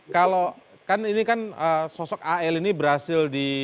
kalau kan ini kan sosok al ini berhasil di